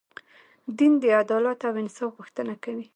دین د عدالت او انصاف غوښتنه کوي.